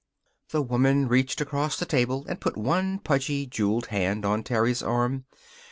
The woman reached across the table and put one pudgy, jeweled hand on Terry's arm.